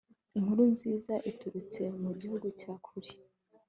inkuru nziza iturutse mu gihugu cya kure